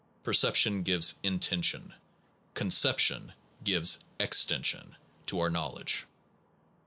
Perception gives intension, concep tion gives extension to our knowledge.